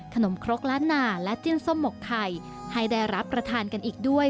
นครกล้านนาและจิ้นส้มหมกไข่ให้ได้รับประทานกันอีกด้วย